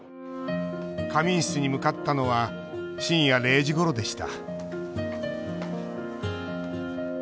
仮眠室に向かったのは深夜０時ごろでした。